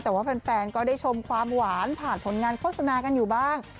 แต่ว่าแฟนก็ได้ชมความหวานผ่านผลงานโฆษณากันอยู่บ้าง